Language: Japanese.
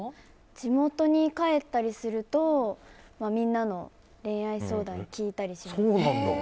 地元に帰ったりするとみんなの恋愛相談を聞いたりします。